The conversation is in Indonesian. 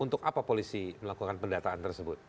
untuk apa polisi melakukan pendataan tersebut